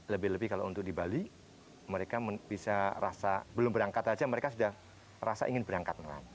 lebih lebih kalau untuk di bali mereka bisa rasa belum berangkat saja mereka sudah rasa ingin berangkat